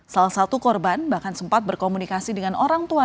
salah satu korban bahkan sempat berkomunikasi dengan orang tua